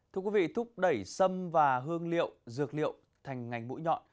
thưa quý vị thúc đẩy sâm và hương liệu dược liệu thành ngành mũi nhọn